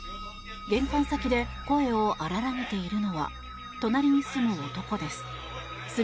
玄関先で声を荒らげているのは隣に住む男です。